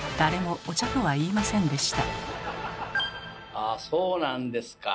ああそうなんですか。